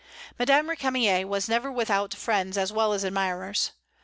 Madame Récamier never was without friends as well as admirers.